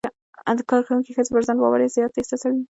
کارکوونکې ښځې پر ځان باور زیات احساسوي.